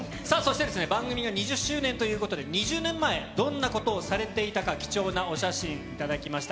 番組が２０周年ということで、２０年前どんなことをされていたか、貴重なお写真いただきました。